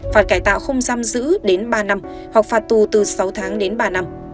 phạt cải tạo không giam giữ đến ba năm hoặc phạt tù từ sáu tháng đến ba năm